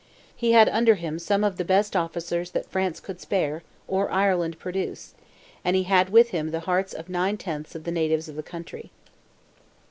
He had under him some of the best officers that France could spare, or Ireland produce, and he had with him the hearts of nine tenths of the natives of the country.